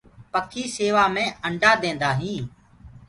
پکي سيوآ مي انڊآ ديندآ هينٚ۔